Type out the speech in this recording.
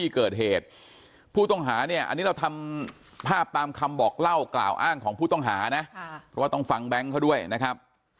คำบอกเล่ากล่าวอ้างของผู้ต้องหานะเพราะว่าต้องฟังแบงก์เขาด้วยนะครับ